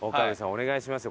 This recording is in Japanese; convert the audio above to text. お願いしますよ。